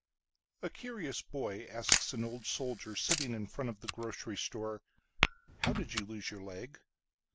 A curious boy asks an old soldierSitting in front of the grocery store,"How did you lose your leg?"